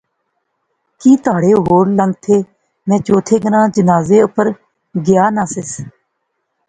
کی تہاڑے ہور لنگتھے، میں چوتھے گراں جنازے اپر گیا ناں سیس